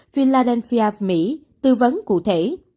philadelphia mỹ tư vấn cụ thể